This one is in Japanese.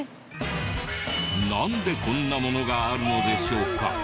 なんでこんなものがあるのでしょうか？